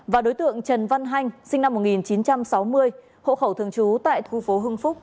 và đối tượng trần văn hanh sinh năm một nghìn chín trăm sáu mươi hộ khẩu thường trú tại khu phố hưng phúc